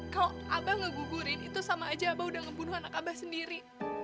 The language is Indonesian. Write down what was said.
kau abang gugurin itu sama aja abu udah ngebunuh anak abah sendiri